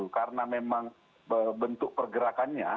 karena memang bentuk pergerakannya